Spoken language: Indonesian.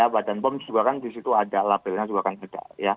badan pom juga kan di situ ada labelnya juga kan ada